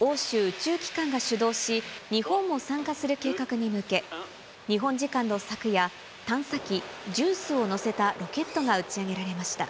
欧州宇宙機関が主導し、日本も参加する計画に向け、日本時間の昨夜、探査機ＪＵＩＣＥを載せたロケットが打ち上げられました。